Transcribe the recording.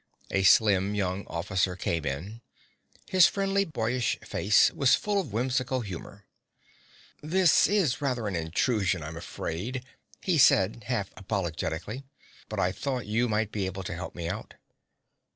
A slim young officer came in. His friendly, boyish face was full of a whimsical humor. "This is rather an intrusion, I'm afraid," he said half apologetically, "but I thought you might be able to help me out."